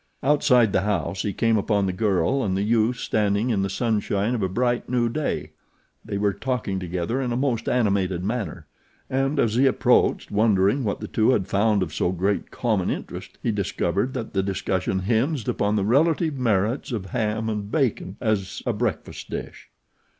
Outside the house he came upon the girl and the youth standing in the sunshine of a bright, new day. They were talking together in a most animated manner, and as he approached wondering what the two had found of so great common interest he discovered that the discussion hinged upon the relative merits of ham and bacon as a breakfast dish.